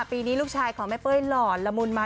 ปีนี้ลูกชายของแม่เป้ยหล่อนละมุนมา